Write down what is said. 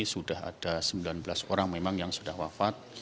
sudah ada sembilan belas orang memang yang sudah wafat